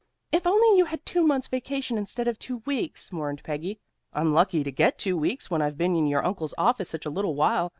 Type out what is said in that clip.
"If only you had two months' vacation, instead of two weeks," mourned Peggy. "I'm lucky to get two weeks, when I've been in your uncle's office such a little while.